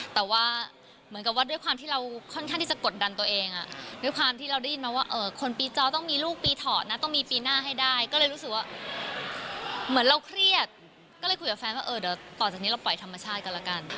แต่ว่าเหมือนกับว่าด้วยความที่เราค่อนข้างที่จะกดดันตัวเองด้วยความที่เราได้ยินมาว่าคนปีจอต้องมีลูกปีเถาะนะต้องมีปีหน้าให้ได้ก็เลยรู้สึกว่าเหมือนเราเครียดก็เลยคุยกับแฟนว่าเออเดี๋ยวต่อจากนี้เราปล่อยธรรมชาติกันแล้วกัน